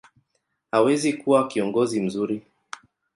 hawezi kuwa kiongozi mzuri.